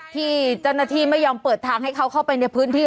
ที่เจ้าหน้าที่ไม่ยอมเปิดทางให้เขาเข้าไปในพื้นที่